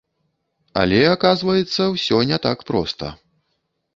Але, аказваецца, усё не так проста.